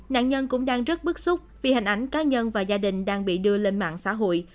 nạn nhân cũng đang rất bức xúc vì hình ảnh cá nhân và gia đình đang bị đưa lên mạng xã hội